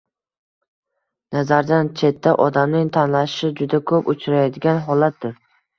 “nazardan chetda” odamning tanlanishi juda ko‘p uchraydigan holatdir.